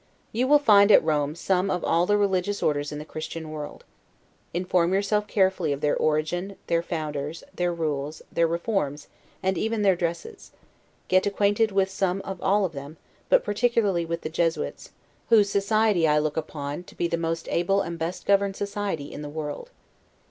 You will find at Rome some of all the religious orders in the Christian world. Inform yourself carefully of their origin, their founders, their rules, their reforms, and even their dresses: get acquainted with some of all of them, but particularly with the Jesuits; whose society I look upon to be the most able and best governed society in the world.